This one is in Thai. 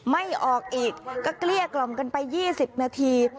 ไม่ออกอีกก็เกลี้ยกล่อมกันไป๒๐นาที